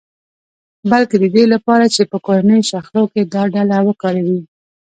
بلکې د دې لپاره چې په کورنیو شخړو کې دا ډله وکاروي